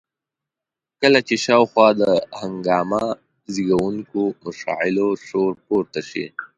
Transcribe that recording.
کله چې شاوخوا د هنګامه زېږوونکو مشاغلو شور پورته شي.